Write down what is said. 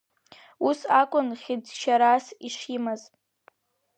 Ус акәын хьыӡшьарас ишимаз.